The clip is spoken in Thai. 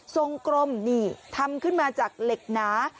กรมนี่ทำขึ้นมาจากเหล็กหนา